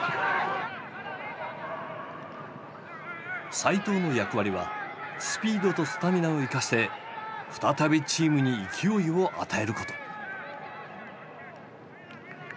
齋藤の役割はスピードとスタミナを生かして再びチームに勢いを与えること。